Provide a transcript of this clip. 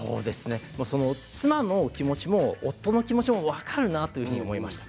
妻の気持ちも夫の気持ちも分かるなと思いました。